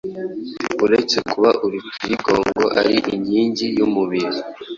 uretse kuba urutirigongo ari inkingi y’umubiri